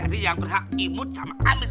jadi yang berhak imut sama amit